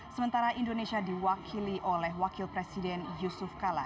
sementara indonesia diwakili oleh wakil presiden yusuf kala